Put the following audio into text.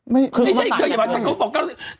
ไม่คือไม่ใช่เธออย่ามาช่างเขาบอกเก้าแล้วสิบ